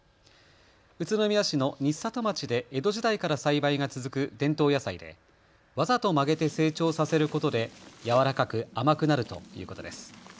宇都宮市の新里町で江戸時代から栽培が続く伝統野菜でわざと曲げて成長させることで柔らかく甘くなるということです。